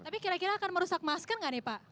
tapi kira kira akan merusak masker nggak nih pak